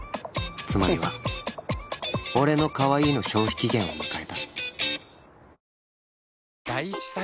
つまりは俺のかわいいの消費期限を迎えた